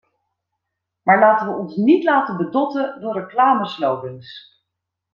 Maar laten we ons niet laten bedotten door reclameslogans!